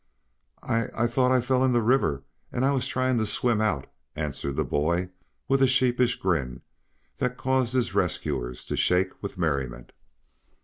"I I thought I fell in the river and I was trying to swim out," answered the boy, with a sheepish grin that caused his rescuers to shake with merriment.